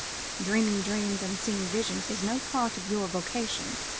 Dreaming dreams and seeing visions is no part of your vocation."